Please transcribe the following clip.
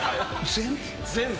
全部？